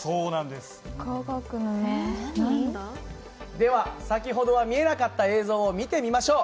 では先ほどは見えなかった映像を見てみましょう。